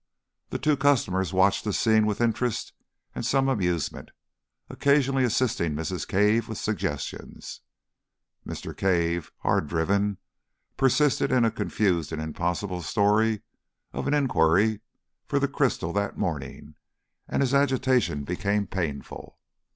The two customers watched the scene with interest and some amusement, occasionally assisting Mrs. Cave with suggestions. Mr. Cave, hard driven, persisted in a confused and impossible story of an enquiry for the crystal that morning, and his agitation became painful.